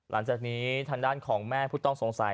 และความสุขของคุณค่ะ